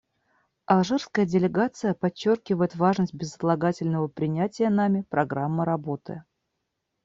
Алжирская делегация подчеркивает важность безотлагательного принятия нами программы работы.